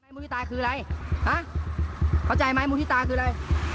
มุฒิตาคืออะไรฮะเข้าใจไหมมุฒิตาคืออะไร